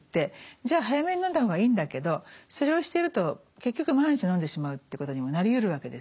じゃあ早めにのんだ方がいいんだけどそれをしていると結局毎日のんでしまうということにもなりうるわけですね。